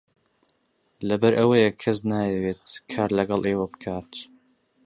لەبەر ئەوەیە کەس نایەوێت کار لەگەڵ ئێوە بکات.